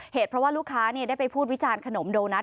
เพราะว่าลูกค้าได้ไปพูดวิจารณ์ขนมโดนัท